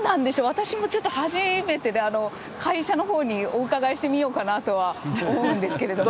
私も初めてで、会社のほうにお伺いしてみようかなとは思うんですけれども。